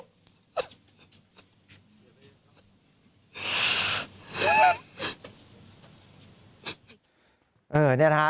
ขอให้โมกลับมา